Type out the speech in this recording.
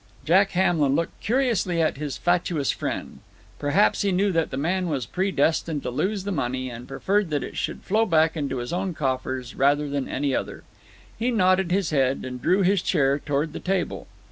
Jack Hamlin looked curiously at his fatuous friend. Perhaps he knew that the man was predestined to lose the money, and preferred that it should flow back into his own coffers rather than any other. He nodded his head, and drew his chair toward the table.